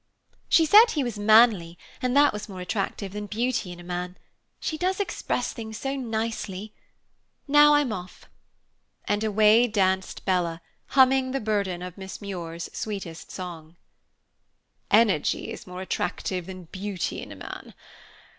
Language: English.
"She said he was manly, and that was more attractive than beauty in a man. She does express things so nicely. Now I'm off." And away danced Bella, humming the burden of Miss Muir's sweetest song. "'Energy is more attractive than beauty in a man.